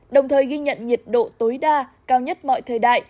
đồng thời ghi nhận nhiệt độ tối đa cao nhất mọi thời đại